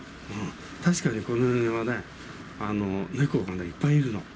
確かにこの辺はね、猫がね、いっぱいいるの。